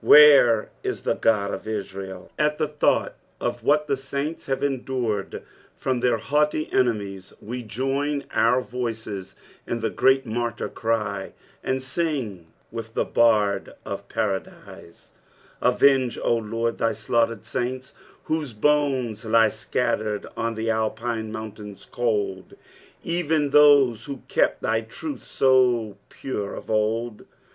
Where is the Qod of Israeli At the thought of what the saints hare endured from their haughty enemies, we join our voices in the great martyr cry ftod sing with the bfud of Paradise :—" AveoKe, O Lord, th; slanehtered saints, whose bones Lie iLittered on the Alpiiii: mouutalna cold ; Itsd tbose who LepL llij Irntli eo pure of old.